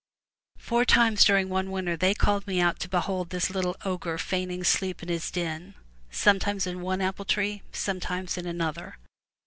Four times during one winter they called me out to behold this little ogre feigning sleep in his den, sometimes in one apple tree, sometimes in another.